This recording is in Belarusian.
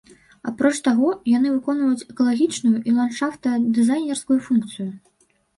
Апроч таго, яны выконваюць экалагічную і ландшафтна-дызайнерскую функцыю.